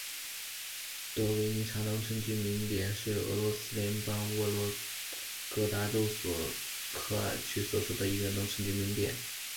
德维尼察农村居民点是俄罗斯联邦沃洛格达州索科尔区所属的一个农村居民点。